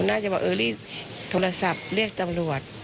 น่าจะบอกเออรีบโทรศัพท์เรียกตำรวจ